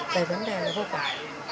về vấn đề vô quản